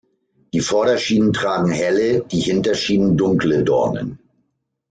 Die Vorderschienen tragen helle, die Hinterschienen dunkle Dornen.